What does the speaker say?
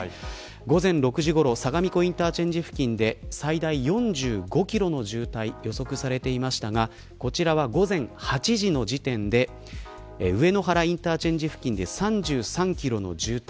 午前６時ごろ相模湖インターチェンジ付近で最大４５キロの渋滞が予測されていましたがこちらは午前８時の時点で上野原インターチェンジ付近で３３キロの渋滞。